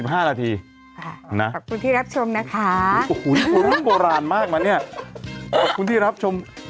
ขอบคุณที่รับชมนะคะอยู่กันเหรอบางทีปกติบ่อหลั่นมากอะเนี่ย